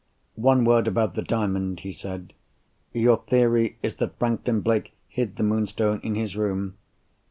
"One word about the Diamond," he said. "Your theory is that Franklin Blake hid the Moonstone in his room.